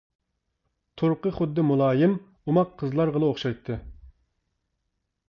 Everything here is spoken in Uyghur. تۇرقى خۇددى مۇلايىم، ئوماق قىزلارغىلا ئوخشايتتى.